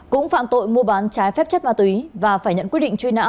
cũng phạm tội mua bán trái phép chất ma túy và phải nhận quyết định truy nã